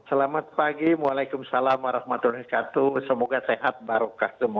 selamat pagi waalaikumsalam warahmatullahi wabarakatuh semoga sehat barokah semua